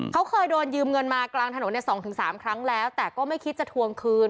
เขาเคยโดนยืมเงินมากลางถนน๒๓ครั้งแล้วแต่ก็ไม่คิดจะทวงคืน